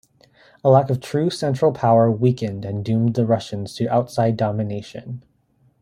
A lack of true central power weakened and doomed the Russians to outside domination.